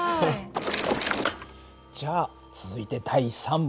じゃあ続いて第３問。